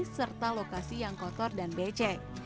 serta lokasi yang kotor dan becek